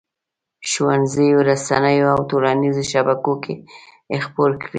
ښوونځیو، رسنیو او ټولنیزو شبکو کې خپور کړي.